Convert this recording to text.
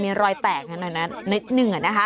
มีรอยแตกหน่อยนะนิดหนึ่งอ่ะนะคะ